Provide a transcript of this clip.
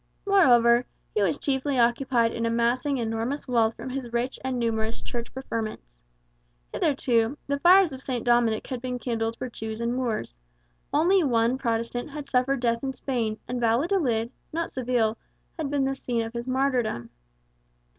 Moreover, he was chiefly occupied in amassing enormous wealth from his rich and numerous Church preferments. Hitherto, the fires of St. Dominic had been kindled for Jews and Moors; only one Protestant had suffered death in Spain, and Valladolid, not Seville, had been the scene of his martyrdom.